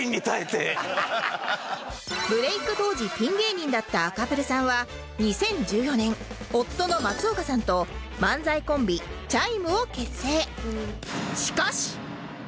ブレイク当時ピン芸人だった赤プルさんは２０１４年夫の松丘さんと漫才コンビチャイムを結成